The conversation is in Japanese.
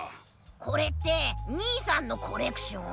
これってにいさんのコレクション？